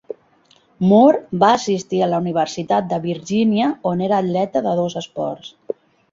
Moore va assistir a la universitat de Virgínia, on era atleta de dos esports.